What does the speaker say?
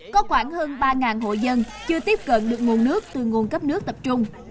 có khoảng hơn ba hộ dân chưa tiếp cận được nguồn nước từ nguồn cấp nước tập trung